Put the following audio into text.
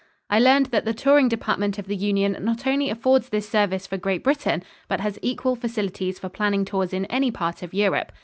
I learned that the touring department of the Union not only affords this service for Great Britain, but has equal facilities for planning tours in any part of Europe.